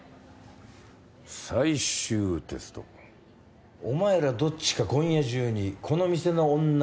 最終テストお前らどっちか今夜中にこの店の女